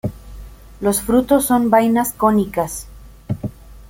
Los frutos son vainas cónicas.